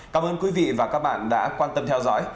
cảm ơn quý vị và các bạn đã quan tâm theo dõi